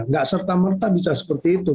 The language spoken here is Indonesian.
gak serta merta bisa seperti itu